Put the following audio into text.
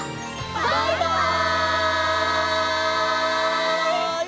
バイバイ！